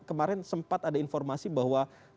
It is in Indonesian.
kemarin sempat ada informasi bahwa